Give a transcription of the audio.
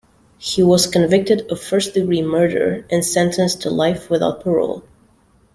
He was convicted of first-degree murder and sentenced to life without parole.